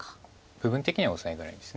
部分的にはオサエぐらいです。